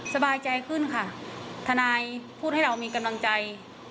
สบายใจขึ้นค่ะทนายพูดให้เรามีกำลังใจ